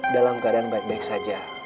dalam keadaan baik baik saja